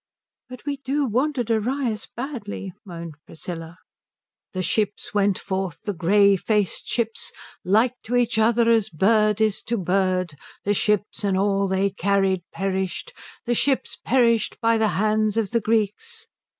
"But we do want a Darius badly," moaned Priscilla. "'The ships went forth, the grey faced ships, like to each other as bird is to bird, the ships and all they carried perished, the ships perished by the hand of the Greeks.